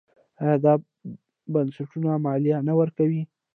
آیا دا بنسټونه مالیه نه ورکوي؟